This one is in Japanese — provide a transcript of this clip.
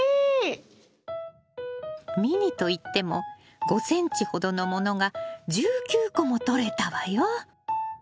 ミニといっても５ｃｍほどのものが１９個もとれたわよ。